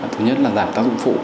thứ nhất là giảm tác dụng phụ